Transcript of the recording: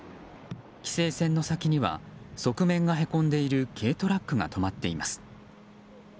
規制線の先には側面がへこんでいる軽トラックが止まっています。